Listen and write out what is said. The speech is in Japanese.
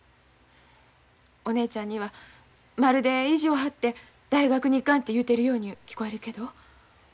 お姉ちゃんにはまるで意地を張って大学に行かんて言うてるように聞こえるけど。